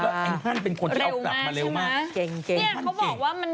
แล้วไอ้ฮั่นเป็นคนที่เอากลับมาเร็วมาก